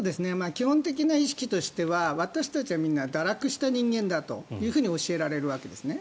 基本的な意識としては私たちはみんな堕落した人間だと教えられるわけですね。